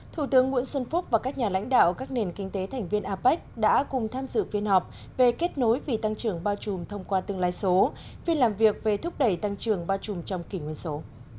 thủ tướng nguyễn xuân phúc và các nhà lãnh đạo các nền kinh tế thành viên apec đã cùng tham dự phiên họp về kết nối vì tăng trưởng bao trùm thông qua tương lai số phiên làm việc về thúc đẩy tăng trưởng bao trùm trong kỷ nguyên số